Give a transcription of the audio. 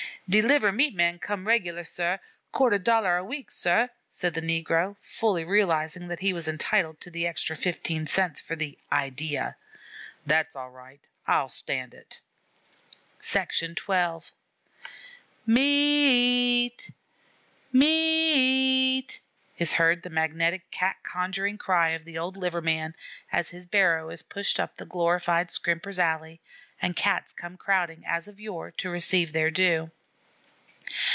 "De liver meat man comes reg'lar, sah; quatah dollar a week, sah," said the negro, fully realizing that he was entitled to the extra fifteen cents for "the idea." "That's all right. I'll stand it." XII "M e a t! M e a t!" is heard the magnetic, cat conjuring cry of the old liver man, as his barrow is pushed up the glorified Scrimper's Alley, and Cats come crowding, as of yore, to receive their due.